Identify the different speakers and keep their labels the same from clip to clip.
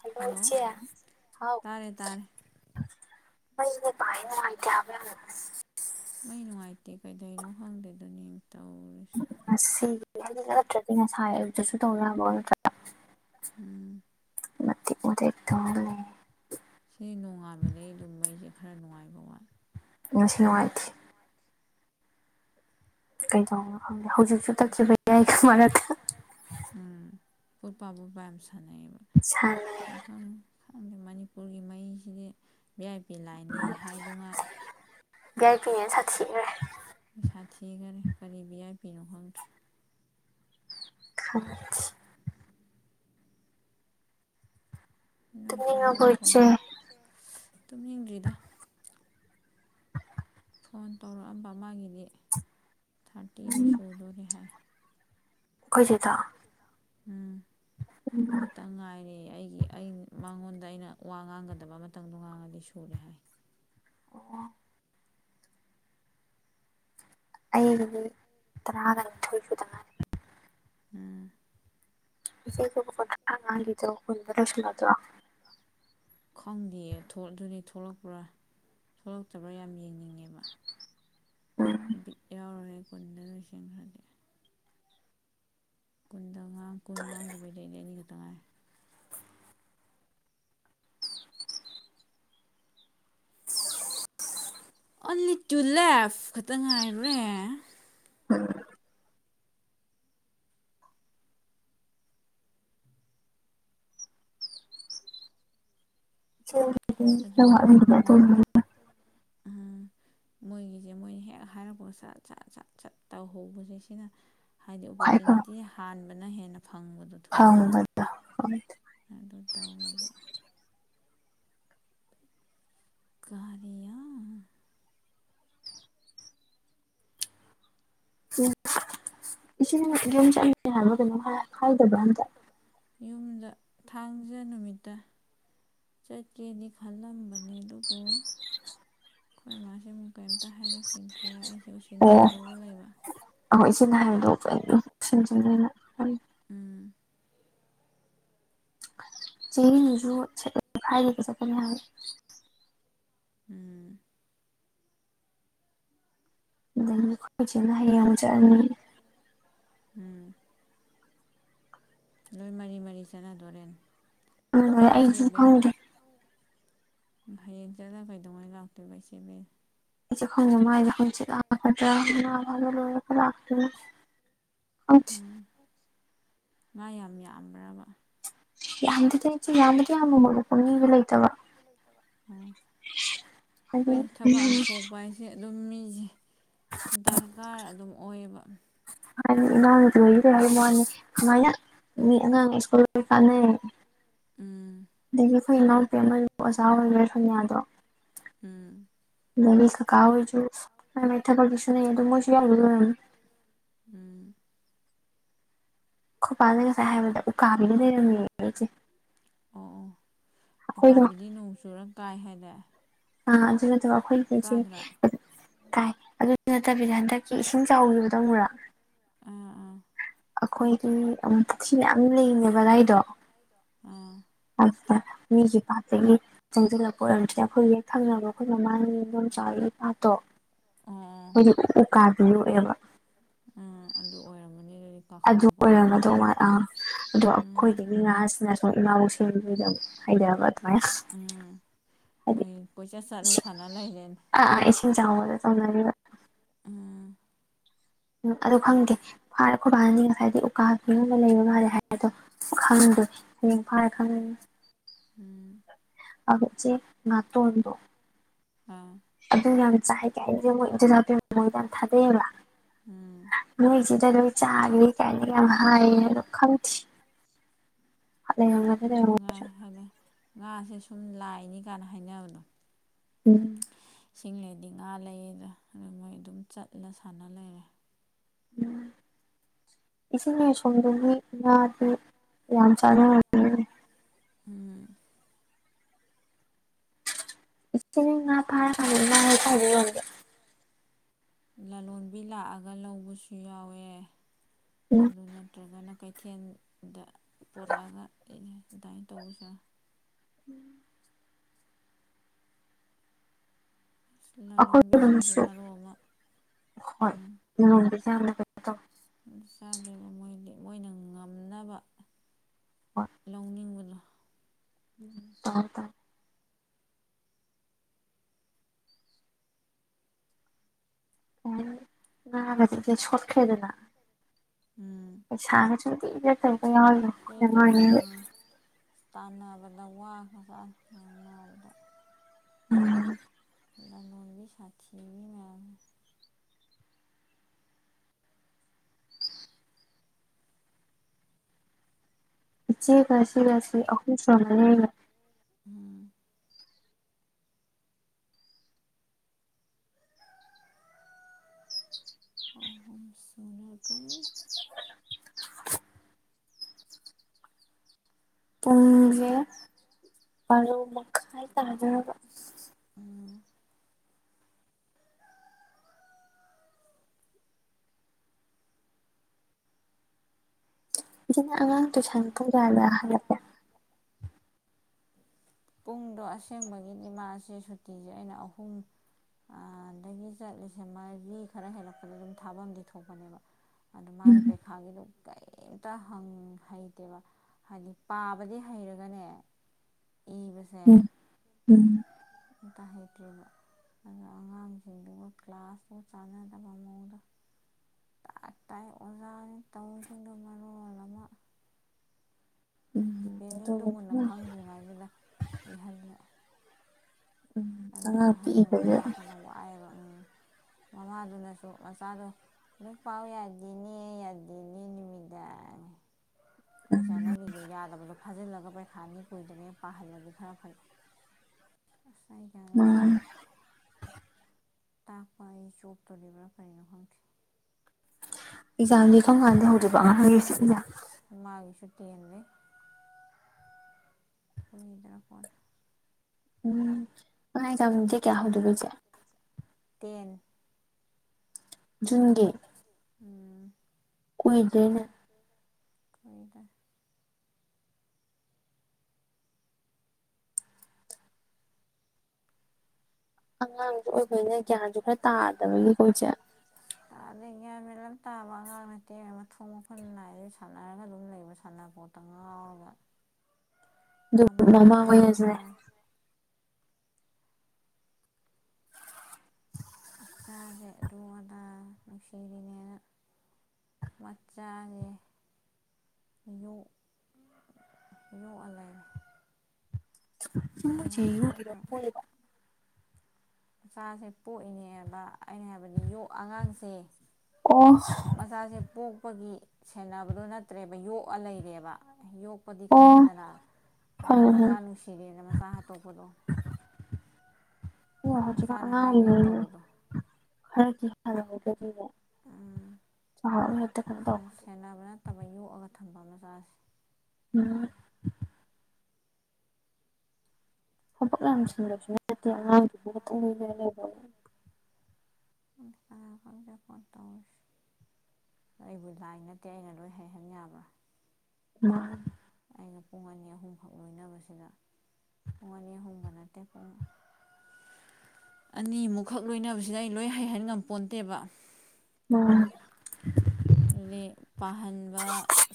Speaker 1: hello ꯏꯆꯦ ꯍꯥꯎ
Speaker 2: ꯇꯥꯔꯦ ꯇꯥꯔꯦ
Speaker 1: ꯃꯩꯅꯦꯅ ꯅꯨꯡꯉꯥꯏꯇꯦꯕ ꯌꯥꯝꯅ
Speaker 2: ꯃꯩ ꯅꯨꯡꯉꯥꯏꯇꯦ ꯀꯩꯗꯩꯅꯣ ꯈꯪꯗꯦꯅꯦ ꯇꯧꯔꯤ
Speaker 1: ꯉꯁꯤ ꯍꯥꯏꯗꯤ ꯅꯠꯇ꯭ꯔꯗꯤ ꯉꯁꯥꯏ ꯑꯌꯨꯛꯇꯁꯨ ꯇꯧꯔꯣ ꯅꯠꯇꯔ
Speaker 2: ꯎꯝ
Speaker 1: ꯃꯇꯦꯛ ꯃꯇꯦꯛ ꯇꯧꯔ ꯂꯩꯔꯦ
Speaker 2: ꯁꯤ ꯅꯣꯡꯉꯥꯟꯕꯗꯒꯤ ꯑꯗꯨꯝ ꯃꯩꯁꯦ ꯈꯔ ꯅꯨꯡꯉꯥꯏꯕ ꯋꯥꯠꯂꯦ
Speaker 1: ꯉꯁꯤ ꯅꯨꯡꯉꯥꯏꯇꯦ ꯀꯩꯗꯧꯔꯕꯅꯣ ꯈꯪꯗꯦ ꯍꯧꯖꯤꯛꯁꯨ ꯇꯛꯈꯤꯕ ꯌꯥꯏꯒ ꯃꯔꯛꯇ
Speaker 2: ꯎꯝ ꯐꯨꯠ ꯐꯥꯠ ꯌꯥꯝ ꯁꯥꯟꯅꯩꯌꯦꯕ
Speaker 1: ꯁꯥꯟꯅꯩ
Speaker 2: ꯈꯪꯗꯦ ꯃꯅꯤꯄꯨꯔꯒꯤ ꯃꯩꯁꯤꯗꯤ ꯚꯤ ꯑꯥꯏ ꯄꯤ ꯂꯥꯏꯟꯅꯤ ꯍꯥꯏꯗꯨꯉꯥꯏ
Speaker 1: ꯏ ꯄꯤꯅꯦꯅ ꯁꯥꯊꯤꯈ꯭ꯔꯦ
Speaker 2: ꯄꯩꯁꯥ ꯊꯤꯈꯔꯦ ꯀꯔꯤ ꯕꯤꯌꯥꯏꯕꯤꯤꯅꯣ ꯈꯪꯗ꯭ꯔꯦ
Speaker 1: ꯍ
Speaker 2: ꯅꯣꯏꯆ ꯑꯩꯁꯨ
Speaker 1: ꯇꯨꯝꯅꯤꯡꯉꯕꯣ
Speaker 2: ꯐꯣꯟ
Speaker 1: ꯏꯆꯦ
Speaker 2: ꯑꯗꯨꯝ ꯌꯦꯡꯗ꯭ꯔꯤꯗ ꯐꯣꯟ ꯇꯧꯔꯛꯑꯝꯕ ꯃꯥꯒꯤꯗꯤ ꯊꯥꯔꯇꯤꯗꯨ
Speaker 1: ꯑꯩꯈꯣꯏ
Speaker 2: ꯁꯨꯗꯣꯣꯔꯦ ꯍꯥꯏ
Speaker 1: ꯑꯩꯈꯣꯏꯁꯤꯦꯗ
Speaker 2: ꯎꯝ ꯑꯃꯇ ꯉꯥꯏꯔꯦ ꯑꯩꯒꯤ ꯑꯩ ꯃꯉꯣꯟꯗ ꯑꯩꯅ ꯋꯥ ꯉꯥꯡꯒꯗꯕ ꯃꯇꯝꯗꯣ ꯉꯥꯡꯉꯗꯤ ꯁꯨꯔꯦ ꯍꯥꯏ
Speaker 1: ꯑꯩꯒꯤ ꯃꯤ ꯇꯔꯥꯒ ꯅꯤꯊꯣꯏꯐꯨꯗꯉꯥꯏ
Speaker 2: ꯎꯝ
Speaker 1: ꯗꯣꯕꯔꯁ ꯃꯗꯨ
Speaker 2: ꯈꯪꯗꯦꯌꯦ ꯑꯗꯨꯗꯤ ꯊꯣꯛꯂꯛꯄ꯭ꯔꯥ ꯊꯣꯛꯂꯛꯇꯕ꯭ꯔꯥ ꯌꯥꯝ ꯌꯦꯡꯅꯤꯡꯉꯤꯦ ꯕ
Speaker 1: ꯎꯝ
Speaker 2: ꯕꯤꯠ ꯌꯥꯎꯔꯔꯦ ꯀꯨꯟꯗ ꯂꯣꯏꯁꯟꯈ꯭ꯔꯗꯤ ꯀꯨꯟꯗꯒꯥꯡ ꯀꯨꯟ ꯉꯥꯡꯗꯨꯕꯩꯗ ꯑꯅꯤ ꯑꯅꯤꯈꯛꯇ ꯉꯥꯏ ꯑꯣꯟꯂꯤ ꯇꯨ ꯂꯦꯐ ꯈꯛꯇ ꯉꯥꯏꯔꯨꯔꯦ
Speaker 1: ꯎꯝ
Speaker 2: ꯑꯗꯨꯅꯦꯕ ꯃꯣꯏ
Speaker 1: [inaudible]
Speaker 2: ꯃꯣꯏꯒꯤꯁꯦ ꯃꯣꯏꯅ ꯍꯦꯛ ꯍꯥꯏꯔꯄ ꯁꯠ ꯆꯠ ꯁꯠ ꯆꯠ ꯇꯧꯍꯧꯕꯁꯦ ꯁꯤꯅ ꯍꯥꯏꯗꯤ
Speaker 1: ꯈ꯭ꯋꯥꯏ ꯐꯕ
Speaker 2: ꯑꯣꯄꯣꯔꯆꯨꯅꯤꯇꯤ ꯍꯥꯟꯕꯅ ꯍꯦꯟꯅ ꯐꯪꯕꯗꯣ ꯊꯨꯅ
Speaker 1: ꯐꯪꯕꯗꯣ
Speaker 2: ꯑꯗꯨ ꯇꯧꯋꯦꯕ ꯀꯔꯤꯌ
Speaker 1: ꯎꯝ ꯏꯆꯦꯅ ꯌꯨꯝ ꯆꯠꯅꯤꯡ ꯍꯥꯏꯕ ꯀꯩꯅꯣ ꯍꯥꯏꯗꯕ꯭ꯔꯥ ꯑꯝꯇ
Speaker 2: ꯌꯨꯝꯗ ꯊꯥꯡꯖ ꯅꯨꯃꯤꯠꯇ ꯆꯠꯀꯦꯅꯤ ꯈꯜꯂꯝꯕꯅꯤ ꯗꯨꯕꯣ ꯑꯩꯈꯣꯏ ꯃꯥꯁꯦ ꯑꯃꯨꯛ ꯀꯔꯤꯝꯇ ꯍꯥꯏꯔꯛꯈꯤꯗ꯭ꯔꯦ ꯑꯩꯁꯦ ꯎꯁꯤꯟ ꯁꯤꯟꯗꯧꯕ ꯂꯩꯕ
Speaker 1: ꯑꯈꯣꯏ ꯏꯆꯤꯅ ꯍꯥꯏꯕꯗꯣ ꯎꯁꯤꯟ ꯁꯤꯟꯅꯤꯅ
Speaker 2: ꯎꯝ
Speaker 1: ꯆꯦꯡꯒꯤꯗꯨꯁꯨ ꯍꯥꯏꯗꯒ ꯆꯠꯀꯅꯤ ꯍꯥꯏꯕ
Speaker 2: ꯎꯝ
Speaker 1: ꯑꯗꯩ ꯑꯩꯈꯣꯏꯆꯦꯅ ꯍꯌꯦꯡ ꯑꯃꯨꯛ ꯆꯠꯂꯅꯤ
Speaker 2: ꯎꯝ ꯂꯣꯏ ꯃꯔꯤ ꯃꯔꯤ ꯆꯠꯅꯗꯣꯔꯦꯅꯦ
Speaker 1: ꯑꯗꯨꯗꯒꯤ ꯑꯩꯁꯨ
Speaker 2: ꯏꯆꯦꯕꯦ
Speaker 1: ꯈꯪꯗꯦ
Speaker 2: ꯍꯌꯦꯡ ꯆꯠꯂ ꯀꯩꯗꯧꯉꯩ ꯂꯥꯛꯇꯣꯏꯕ ꯏꯆꯦꯕꯦ
Speaker 1: ꯑꯩꯁꯦ ꯈꯪꯗꯦ ꯃꯥꯏꯖꯦ ꯍꯪꯆꯤꯠ ꯂꯛꯀꯗꯔ [unintelligible] [unintelligible] [inaudible]
Speaker 2: ꯉꯥ ꯌꯥꯝ ꯌꯥꯝꯕ꯭ꯔꯕ
Speaker 1: ꯌꯥꯝꯗꯦꯗ ꯌꯥꯃꯗꯤ ꯌꯥꯝꯃ ꯃꯤꯗꯣ ꯂꯩꯇꯕ ꯍꯥꯏꯗꯤ
Speaker 2: ꯍꯣꯏ ꯊꯕꯛ ꯑꯝ ꯊꯣꯛꯄ ꯍꯥꯏꯁ ꯑꯗꯨꯝ ꯃꯤꯁꯦ ꯗꯔꯀꯥꯔ ꯑꯗꯨꯝ ꯑꯣꯏꯌꯦꯕ
Speaker 1: [unintelligible] ꯑꯣꯏ ꯋꯥꯅꯤ ꯃꯤ ꯑꯉꯥꯡ ꯁ꯭ꯀꯨꯜ ꯀꯅꯔꯤꯅꯤ
Speaker 2: ꯎꯝ
Speaker 1: ꯑꯗꯒꯤ ꯑꯩꯈꯣꯏ ꯏꯅꯥꯎꯄꯤ ꯑꯃ ꯑꯣꯖꯥ ꯑꯣꯏꯔ [unintelligible]
Speaker 2: ꯎꯝ
Speaker 1: ꯑꯗꯒꯤ ꯀꯀꯥ ꯈꯣꯏꯁꯨ ꯃꯥꯏ ꯃꯥꯏ ꯊꯕꯛ ꯁꯨꯅꯩ ꯑꯗꯨꯝ ꯃꯣꯏꯁꯨ ꯌꯥ
Speaker 2: ꯎꯝ
Speaker 1: ꯈꯨꯄꯥꯅ ꯉꯁꯥꯏ ꯍꯥꯏꯕꯗ ꯎꯀꯥꯕꯤꯒ ꯂꯩꯔꯝꯃꯤ ꯑꯩꯁꯦ
Speaker 2: ꯑꯣ
Speaker 1: ꯑꯩꯈꯣꯏꯗꯣ
Speaker 2: ꯎꯀꯥꯕꯤꯗꯤ ꯅꯣꯡ ꯆꯨꯔ ꯀꯥꯏ ꯍꯥꯏꯗ
Speaker 1: ꯑ ꯑꯗꯨ ꯅꯠꯇꯕ ꯑꯩꯈꯣꯏ ꯑꯁꯤ ꯇꯥꯏ ꯑꯗꯨ ꯅꯠꯇꯕꯤꯗ ꯍꯟꯗꯛꯀꯤ ꯏꯁꯤꯡ ꯆꯥꯎꯈꯤꯕꯗꯣ ꯃꯨꯔꯥ
Speaker 2: ꯑ
Speaker 1: ꯑꯩꯈꯣꯏꯒꯤ ꯄꯨꯈ꯭ꯔꯤ ꯃꯌꯥꯝ ꯂꯩꯅꯦꯕꯗꯥꯥꯏꯗꯣ
Speaker 2: ꯑꯥ
Speaker 1: ꯃꯤꯒꯤ ꯄꯥꯠꯇꯒꯤ ꯆꯪꯁꯤꯜꯂꯛꯄ ꯑꯣꯏꯔꯝꯗ꯭ꯔꯦ ꯑꯩꯈꯣꯏ ꯍꯦꯛ ꯊꯪꯅꯕ ꯑꯩꯈꯣꯏ ꯃꯃꯥꯡꯒꯤ ꯏꯗꯣꯝꯆꯥ ꯍꯣꯏꯒꯤ ꯐꯥꯠꯇꯣ
Speaker 2: ꯑꯥ ꯑꯣ ꯑꯣ
Speaker 1: ꯑꯗꯨ ꯎꯀꯥꯕꯤ ꯌꯣꯛꯑꯦꯕ
Speaker 2: ꯑ ꯑꯗꯨ ꯑꯣꯏꯔꯝꯃꯅꯤ
Speaker 1: ꯑꯗꯨ
Speaker 2: ꯀꯥꯈꯠꯂꯛꯄ
Speaker 1: ꯑꯣꯏꯔꯝꯒꯗꯧ
Speaker 2: ꯃꯣꯏꯒꯤꯗꯨꯗꯤ
Speaker 1: ꯃꯥꯂꯦ ꯑꯥ ꯑꯗꯣ
Speaker 2: ꯎꯝ
Speaker 1: ꯑꯩꯈꯣꯏꯒꯤ ꯃꯤ ꯉꯍꯥꯁꯤꯡꯅꯁꯨ ꯁ ꯏꯅꯥꯎꯁꯤꯡꯖ ꯍꯩꯗꯕ
Speaker 2: ꯎꯝ ꯎꯝ ꯃꯣꯏ ꯀꯣꯏꯆꯠ ꯆꯠꯂ
Speaker 1: ꯏꯁꯤꯡ
Speaker 2: ꯁꯥꯟꯅ ꯂꯩꯔꯦ
Speaker 1: ꯑꯥ ꯑꯥ ꯏꯁꯤꯡ ꯆꯥꯎꯕꯗ ꯇꯧꯅꯔꯤꯕ
Speaker 2: ꯎꯝ
Speaker 1: ꯎꯝ ꯑꯗꯨ ꯈꯪꯗꯦ ꯐꯥꯏ ꯑꯩꯈꯣꯏꯕꯥꯅꯗꯤ ꯉꯁꯥꯏꯗꯒꯤ ꯎꯀꯥꯒꯤ ꯃꯅꯨꯡꯗ ꯂꯩꯕ ꯃꯥꯜꯂꯦ ꯍꯥꯏ ꯑꯗꯣ ꯈꯪꯗꯦ ꯃꯤꯟ ꯐꯔꯥ ꯈꯪꯉꯤꯅꯦ
Speaker 2: ꯎꯝ
Speaker 1: ꯑꯁꯦ ꯉꯥꯇꯣꯟꯗꯣ
Speaker 2: ꯑꯥ
Speaker 1: ꯑꯗꯨ ꯌꯥꯝ ꯆꯥꯏ ꯀꯥꯏ ꯍꯥꯏꯅꯤ ꯃꯣꯏ ꯏꯟꯇꯖꯥ ꯃꯣꯏꯗ ꯌꯥꯝ ꯊꯥꯗꯩꯌꯦꯕ
Speaker 2: ꯎꯝ
Speaker 1: ꯃꯣꯏ ꯆꯗ ꯑꯗꯨ ꯆꯥ ꯀꯅꯤ ꯌꯥꯝ ꯍꯥꯏ ꯂ ꯈꯝ ꯊ
Speaker 2: ꯑꯗꯨ
Speaker 1: ꯂꯩꯔꯝꯃꯣꯏ
Speaker 2: ꯉꯥ ꯉꯥꯁꯦ ꯁꯨꯝ ꯂꯥꯏꯅꯤ ꯀꯥꯏꯅ ꯍꯥꯏꯅꯕꯅꯣ
Speaker 1: ꯎꯝ
Speaker 2: ꯏꯁꯤꯡ ꯂꯩꯗꯤ ꯉꯥ ꯂꯩꯔꯒ ꯑꯗꯨ ꯃꯣꯏ ꯑꯗꯨꯝ ꯆꯠꯂ ꯁꯥꯟꯅ ꯂꯩꯔꯦ
Speaker 1: ꯎ ꯏꯁꯤꯡ ꯌꯥꯥꯏꯁꯣꯡꯒꯤ ꯉꯥꯗꯤ ꯌꯥꯝ ꯆꯥꯅꯔꯅꯤ
Speaker 2: ꯎꯝ
Speaker 1: ꯏꯆ ꯉꯄꯥꯥꯏꯔ ꯍꯥꯏ ꯀꯔꯤꯦ
Speaker 2: ꯂꯂꯣꯟꯕꯤ ꯂꯥꯛꯑꯒ ꯂꯧꯕꯁꯨ ꯌꯥꯎꯋꯦ
Speaker 1: ꯎꯝ
Speaker 2: ꯑꯗꯨ ꯅꯠꯇ꯭ꯔꯒꯅ ꯀꯩꯊꯦꯜ ꯗ ꯄꯣꯔꯛꯑꯒ ꯑꯗꯨꯃꯥꯏꯅ ꯇꯧꯕꯁꯨ
Speaker 1: ꯎꯝ
Speaker 2: ꯂꯂꯣꯟꯕꯤꯁꯤꯡꯁꯤ
Speaker 1: ꯑꯩꯈꯣꯏꯗꯅꯁꯨ
Speaker 2: ꯃꯔꯨꯞ ꯑꯃ ꯎꯝ
Speaker 1: ꯡꯒꯤꯁꯦ ꯌꯥꯝꯅ ꯀ ꯇꯧ
Speaker 2: ꯆꯥꯗꯦꯕ ꯃꯣꯏꯗꯤ ꯃꯣꯏꯅ ꯉꯝꯅꯕ ꯂꯧꯅꯤꯡꯕꯗꯣ
Speaker 1: ꯎꯝ ꯇꯔꯦ ꯇꯔ ꯑ ꯅꯥꯕꯗꯤꯁꯦ ꯁꯣꯠꯈ꯭ꯔꯦ ꯑꯗꯨꯅ
Speaker 2: ꯎꯝ
Speaker 1: ꯁꯁꯨ ꯂ
Speaker 2: ꯁꯤꯗ ꯑꯥ ꯇꯥꯟꯅꯕꯗ ꯋꯥ ꯈ ꯆ ꯁꯅꯕꯗ
Speaker 1: ꯎꯝ
Speaker 2: ꯂꯣꯅꯒꯤ ꯁꯥꯈꯤꯒꯤ ꯃꯌꯥꯝ
Speaker 1: ꯏꯆꯦ ꯑꯁꯤ ꯑꯁꯤ ꯑꯍꯨꯝꯁꯨꯕ ꯂꯩ
Speaker 2: ꯎꯝ ꯑꯣꯝ ꯁꯨꯅꯥ ꯀꯅꯤ
Speaker 1: ꯄꯨꯡꯁꯦ ꯄꯔꯣ ꯃꯈꯥꯏ ꯇꯥꯅꯅꯕ
Speaker 2: ꯎꯝ
Speaker 1: ꯁꯤꯅ ꯑꯉꯥꯡ ꯇꯨꯏꯁꯟ ꯄꯖꯗ ꯍꯜꯂꯛꯂꯦ
Speaker 2: ꯄꯨꯡꯗꯣ ꯑꯁꯦꯡꯕꯒꯤ ꯗꯤ ꯃꯥꯁꯦ ꯁꯨꯇꯤꯁꯦ ꯑꯩꯅ ꯑꯍꯨꯝ ꯑꯥꯗꯒꯤ ꯆꯠꯂꯤꯁꯦ ꯃꯥꯔꯤ ꯈꯔ ꯍꯦꯜꯂꯛꯄꯗꯗꯤ ꯑꯗꯨꯝ ꯊꯥꯕꯝꯗꯤ ꯊꯣꯛꯄꯅꯦꯕ ꯑꯗꯨ ꯃꯥꯅ
Speaker 1: ꯎꯝ
Speaker 2: ꯄꯩꯈꯥꯒꯤꯗꯣ ꯀꯔꯤꯝꯇ ꯍꯪ ꯍꯩꯇꯦꯕ ꯍꯥꯏꯗꯤ ꯄꯥꯕꯗꯤ ꯍꯩꯔꯒꯅꯦ ꯏꯕꯁꯨ
Speaker 1: ꯎꯝ ꯎꯝ
Speaker 2: ꯑꯝꯃꯥ ꯇꯥꯍꯩꯇꯔ꯭ꯦꯕ ꯑꯗꯣ ꯑꯉꯥꯡꯁꯤꯡꯗꯨꯒ ꯀ꯭ꯂꯥꯁꯀ ꯆꯥꯟꯅꯗꯕ ꯃꯑꯣꯡꯗ ꯇꯥꯛ ꯇꯥꯏ ꯑꯣꯖꯥꯅꯤ ꯇꯧꯔꯤꯁꯤꯡꯗꯨ ꯃꯔꯣꯜ ꯑꯃ
Speaker 1: ꯎꯝ
Speaker 2: ꯄꯦꯂꯤꯡꯗꯣ ꯃꯨꯟꯅ
Speaker 1: ꯑꯗꯨꯕꯨꯗꯤ
Speaker 2: ꯈꯪꯗ꯭ꯔꯤꯉꯩꯗꯨꯗ ꯏꯍꯜꯂꯦ
Speaker 1: ꯎꯝ
Speaker 2: ꯑꯗꯨꯅ ꯑꯗꯨ
Speaker 1: ꯑꯉꯥꯡ
Speaker 2: ꯍꯩꯅꯕꯨ
Speaker 1: ꯄꯤꯛꯏꯕꯒꯤ
Speaker 2: ꯇꯥꯛꯄꯅ ꯋꯥꯑꯦꯕ ꯎꯝ ꯃꯃꯥꯗꯨꯅꯁꯨ ꯃꯆꯥꯗꯣ ꯂꯥꯏꯛ ꯄꯥꯎ ꯌꯥꯗꯦꯅꯦ ꯌꯥꯗꯦꯅꯤ ꯅꯨꯃꯤꯗꯥꯡ ꯀꯩ ꯆꯥꯅꯔꯤꯒꯦ ꯌꯥꯗꯕꯗꯣ ꯐꯥꯖꯤꯜꯂꯒ ꯄꯩꯈꯥꯅꯤ ꯀꯨꯏꯗ꯭ꯔꯦ ꯄꯥꯍꯜꯂꯗꯤ ꯈꯔ ꯐꯩ
Speaker 1: [inaudible]
Speaker 2: ꯑꯁ ꯑꯩ ꯒꯌ꯭ꯥꯟꯒ ꯑꯃ
Speaker 1: ꯃꯥꯅꯤ
Speaker 2: ꯇꯥꯥꯗꯦ ꯇꯥꯛꯄ ꯑꯩ ꯆꯣꯞꯇꯣꯔꯤꯕ꯭ꯔꯥ ꯀꯔꯤꯅꯣ ꯈꯪꯗꯦ
Speaker 1: ꯑꯦꯛꯖꯥꯝꯗꯤ ꯀꯔꯝꯀꯥꯟꯗꯩ ꯍꯧꯗꯣꯏꯕ ꯑꯉꯥꯡꯒꯤꯁꯤ
Speaker 2: [unintelligible]
Speaker 1: [unintelligible]
Speaker 2: ꯇꯦꯟ
Speaker 1: ꯖꯨꯟꯒꯤ
Speaker 2: [unintelligible]
Speaker 1: ꯂꯨꯏꯗꯔ꯭ꯦꯅꯦ
Speaker 2: ꯀꯨꯏꯗꯔ꯭ꯦ
Speaker 1: ꯑꯉꯥꯡꯁꯨ ꯑꯣꯏꯕꯅꯤꯅ ꯒ꯭ꯌꯥꯟꯁꯨ ꯈꯔ ꯇꯥꯗꯕꯒꯤꯀꯣ ꯏꯆꯦ
Speaker 2: ꯑꯗꯒꯤ ꯒꯌ꯭ꯥꯟ ꯃꯦꯟ ꯑꯃ ꯇꯥꯕ ꯑꯉꯥꯡ ꯅꯠꯇꯦ ꯃꯊꯣꯡ ꯃꯈꯨꯟ ꯅꯥꯏꯗꯩ ꯁꯥꯟꯅꯔꯒ ꯑꯗꯨꯝ ꯂꯩꯕ ꯁꯥꯟꯅꯕꯄꯣꯠ ꯇ ꯉꯥꯎꯔꯒ
Speaker 1: [inaudible] ꯑꯗꯨ ꯃꯃꯥ
Speaker 2: ꯃꯃꯥꯒꯤ ꯁꯛꯇꯥ
Speaker 1: ꯍꯣꯏꯅꯁꯨꯅꯦ
Speaker 2: ꯏꯆꯥꯁꯦ ꯑꯗꯨ ꯑꯗꯥ ꯅꯨꯡꯁꯤꯔꯤꯅꯦꯅ ꯃꯆꯥꯅꯦ ꯌꯣꯛ ꯌꯣꯛꯑ ꯂꯩꯔꯣ
Speaker 1: ꯃꯣꯏꯁꯦ
Speaker 2: ꯁꯦꯟꯅꯕ
Speaker 1: ꯌꯣꯛꯏꯔ
Speaker 2: ꯅꯠꯇ‌ꯔ
Speaker 1: ꯄꯣꯛꯏꯔ
Speaker 2: ꯏꯆꯥꯁꯦ ꯄꯣꯛꯏꯅꯦꯕ ꯑꯩꯅ ꯍꯥꯏꯕꯗꯤ ꯌꯣꯛ ꯑꯉꯥꯡꯁꯦ
Speaker 1: ꯑꯣ
Speaker 2: ꯃꯆꯥꯁꯦ ꯄꯣꯛꯄꯒꯤ ꯁꯦꯟꯅꯕꯗꯣ ꯅꯠꯇ꯭ꯔꯦꯕ ꯌꯣꯛꯑ ꯂꯩꯔꯦꯕ ꯌꯣꯛ ꯄꯗꯤ
Speaker 1: ꯑꯣ
Speaker 2: ꯈꯪꯉꯤꯗꯅ ꯑꯗꯣ
Speaker 1: ꯐꯔꯦ
Speaker 2: ꯃꯆꯥ ꯅꯨꯡꯁꯤꯔꯦꯅ ꯃꯆꯥ ꯍꯥꯇꯣꯛꯄꯗꯣ
Speaker 1: ꯍꯧꯖꯤꯛ ꯀꯟ
Speaker 2: ꯃꯆꯥꯅ
Speaker 1: ꯑꯉꯥꯡ
Speaker 2: ꯍꯥꯏꯔꯤꯉꯩ ꯇꯧꯕꯗꯣ
Speaker 1: ꯑꫭꯏꯃꯜꯂꯤꯅꯦ [unintelligible]
Speaker 2: ꯁꯦꯟꯅꯕ ꯅꯠꯇꯕ ꯌꯣꯛꯑꯒ ꯊꯝꯕ ꯃꯆꯥꯁꯦ
Speaker 1: [unintelligible] ꯊꯕꯛ ꯌꯥꯝ ꯆꯤꯟꯕꯁꯨ ꯅꯠꯇꯦ ꯑꯉꯥꯡꯗꯨꯕꯨꯗ ꯈꯨꯇꯪꯗꯤ
Speaker 2: [unintelligible] ꯑꯩꯕꯨ ꯂꯥꯏ ꯅꯠꯇꯦ ꯑꯩꯅ ꯂꯣꯏ ꯍꯩꯍꯟ ꯌꯥꯕ꯭ꯔꯥ
Speaker 1: ꯃꯥꯅꯤ
Speaker 2: ꯑꯩꯅ ꯄꯨꯡ ꯑꯅꯤ ꯑꯍꯨꯝꯈꯛ ꯂꯣꯏꯅꯕꯁꯤꯗ ꯄꯨꯡ ꯑꯅꯤ ꯑꯍꯨꯝꯕ ꯅꯠꯇꯦ ꯄꯨꯡ ꯑꯅꯤꯃꯨꯛꯈꯛ ꯂꯣꯏꯅꯕꯁꯤꯗ ꯑꯩꯅ ꯂꯣꯏ ꯍꯩꯍꯟ ꯉꯝꯄꯣꯟꯇꯦꯕ
Speaker 1: [unintelligible]
Speaker 2: ꯑꯗꯨ ꯄꯥꯍꯟꯕ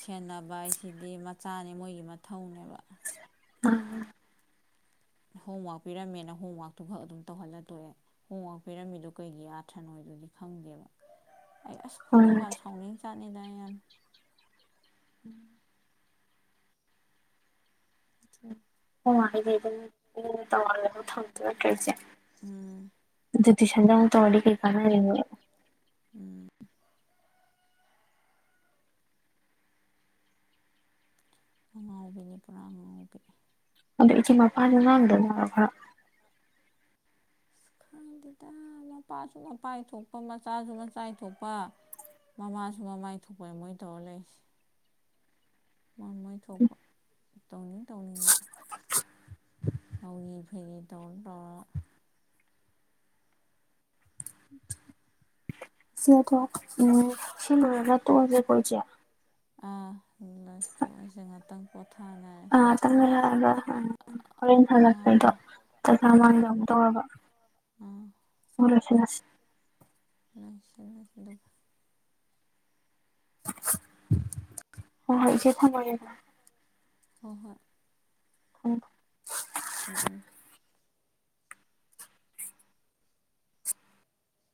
Speaker 2: ꯁꯦꯟꯅꯕ ꯍꯥꯏꯁꯤꯗꯤ ꯃꯆꯥꯅꯤ ꯃꯣꯏꯒꯤ ꯃꯊꯧꯅꯦꯕ
Speaker 1: [unintelligible]
Speaker 2: ꯍꯣꯝꯋꯥꯛ ꯄꯤꯔꯝꯃꯦꯅ ꯍꯣꯝꯋꯥꯛꯇꯨꯈꯛ ꯑꯗꯨꯝ ꯇꯧꯍꯜꯂ ꯇꯣꯛꯑꯦ ꯍꯣꯝꯋꯥꯛ ꯄꯤꯔꯝꯃꯤꯗꯨ ꯀꯩꯒꯤ ꯑꯥꯔꯊꯅꯣꯗꯨꯗꯤ ꯈꯪꯗꯦꯕ ꯑꯩ ꯑꯁ
Speaker 1: ꯃꯥꯅꯤ
Speaker 2: ꯈꯣꯏꯗꯧꯒ ꯁꯥꯎꯅꯤꯡꯆꯥꯠꯅꯤꯗ ꯑꯩ ꯌꯥꯝ
Speaker 1: [inaudible] ꯇꯉꯔꯤꯉꯩ ꯑꯗꯨꯝ [unintelligible] ꯇꯧꯉꯜꯂꯒ [unintelligible] ꯊꯝꯗ [unintelligible] ꯅꯠꯇ꯭ꯔꯔꯤꯁꯦ
Speaker 2: ꯎꯝ
Speaker 1: [unintelligible] ꯖꯣꯇꯁꯟꯗꯛꯇ ꯇꯧꯔꯗꯤ ꯀꯩ ꯀꯥꯟꯅꯔꯤꯅꯣꯕ
Speaker 2: ꯎꯝ ꯑꯉꯥꯎꯕꯤꯅꯤ ꯄꯨꯔꯥ ꯑꯉꯥꯎꯕꯤ
Speaker 1: ꯑꯗꯣ ꯏꯆꯦ ꯃꯄꯥꯁꯎ ꯉꯥꯡꯗꯖꯥꯠꯂꯣ ꯈꯔ
Speaker 2: ꯑꯁ ꯈꯪꯗꯦꯗ ꯃꯄꯥꯁꯨ ꯃꯄꯥꯥꯏ ꯊꯣꯛꯄ ꯃꯆꯥꯁꯨ ꯃꯆꯥꯥꯏ ꯊꯣꯛꯄ ꯃꯃꯥꯁꯨ ꯃꯃꯥꯏ ꯊꯣꯛꯄ ꯃꯣꯏ ꯇꯧꯔ ꯂꯩꯁꯦ ꯃꯥꯏ ꯃꯥꯏ ꯊꯣꯛꯄ ꯇꯧꯅꯤꯡ ꯇꯧꯅꯤꯡꯕ ꯉꯥꯎꯔꯤ ꯐꯩꯔꯤ ꯇꯧ ꯇꯧꯔ
Speaker 1: ꯁꯤ ꯑꯗꯣ [unintelligible] ꯎꯝ ꯁꯤ ꯂꯣꯏꯔꯒ ꯇꯣꯛꯑꯁꯦꯀꯣ ꯏꯆꯦ
Speaker 2: ꯑꯥ ꯁ [unintelligible] ꯇꯣꯛꯑꯁꯦ ꯉꯥꯛꯇꯪ ꯄꯣꯊꯥꯅ
Speaker 1: ꯑ ꯉꯥꯇꯪ ꯂꯩꯔꯛꯑꯒ ꯍꯣꯔꯦꯟ
Speaker 2: ꯑꯥ
Speaker 1: ꯍꯂꯛꯄꯩꯗꯣ ꯆꯖꯥ [unintelligible]
Speaker 2: ꯑꯥ
Speaker 1: ꯃꯥꯡꯗ ꯑꯃꯨꯛ ꯇꯧꯔꯕ
Speaker 2: ꯑꯥ
Speaker 1: ꯁ [unintelligible] ꯂꯣꯏꯁꯤꯜꯂꯁꯤ
Speaker 2: ꯅꯥꯁꯤꯅ [unintelligible] ꯁꯤꯗ [unintelligible]
Speaker 1: ꯍꯣꯏ ꯍꯣꯏ ꯏꯆꯦ ꯊꯝꯃꯒꯦ
Speaker 2: ꯍꯣꯏ ꯍꯣꯏ
Speaker 1: [unintelligible]
Speaker 2: ꯎꯝ ꯎꯝ